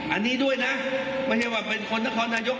อันนี้ด้วยนะไม่ใช่ว่าเป็นคนนครนายก